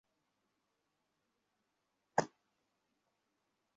দেখ তোর ছেলে কী করেছে!